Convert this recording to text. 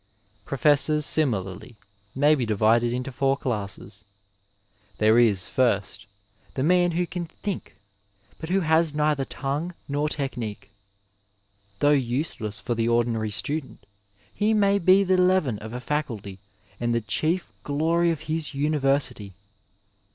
^ Prof essors similarly may be divided into four classes. There is, first, the man who can think but who has neither tongue nor technique. Though useless for the ordinary student, he may be the leaven of a faculty and the chief glory of his university.